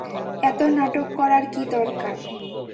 এত নাটক করার কী দরকার।